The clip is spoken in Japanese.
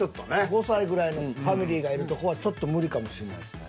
５歳ぐらいのファミリ―がいるとこはちょっと無理かもしれないですね。